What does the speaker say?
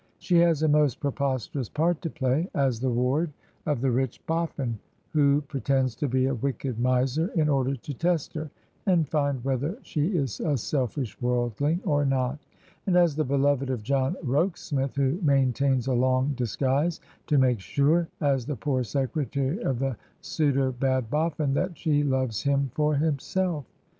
She has a most preposterous part to play, as the ward of the rich Boffin, who pre tends to be a wicked miser in order to test her, and find whether she is a selfish worldling or not; and as the beloved of John Rokesmith, who maintains a long dis guise, to make sure, as the poor secretary of the pseudo bad Boffin, that she loves him for himself.